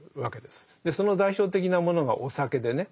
その代表的なものがお酒でね。